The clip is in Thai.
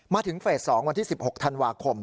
เฟส๒วันที่๑๖ธันวาคม